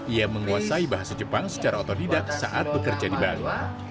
ia menguasai bahasa jepang secara otodidak saat bekerja di bali